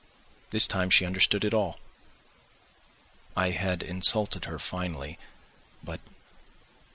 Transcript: This time she understood it all. I had insulted her finally, but